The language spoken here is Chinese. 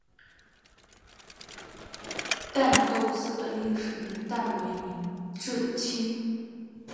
旦斗寺的历史年代为明至清。